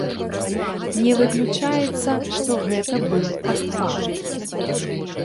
Не выключаецца, што гэта быў падпал.